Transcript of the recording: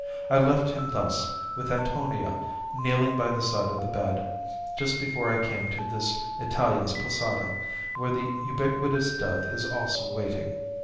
I left him thus, with Antonia kneeling by the side of the bed, just before I came to this Italian's posada, where the ubiquitous death is also waiting.